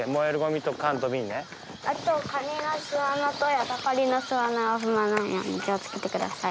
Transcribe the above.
あとカニの巣穴とヤドカリの巣穴はГ泙覆い茲Δ気をつけてください。